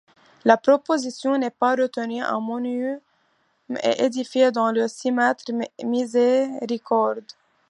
La proposition n'est pas retenue, un monument est édifié dans le cimetière Miséricorde.